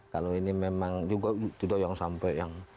kalau ini memang juga tidak yang sampai yang